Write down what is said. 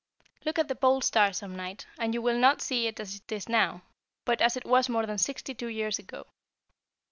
"Look at the Pole Star some night, and you will not see it as it is now, but as it was more than sixty two years ago.